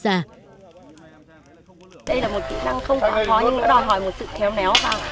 đây là một kỹ năng không khó nhưng nó đòi hỏi một sự khéo néo vào